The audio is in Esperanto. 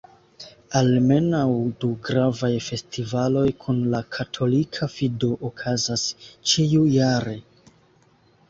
Almenaŭ du gravaj festivaloj kun la katolika fido okazas ĉiujare.